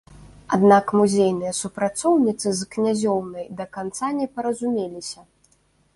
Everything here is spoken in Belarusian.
Аднак музейныя супрацоўніцы з князёўнай да канца не паразумеліся.